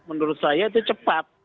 menurut saya itu cepat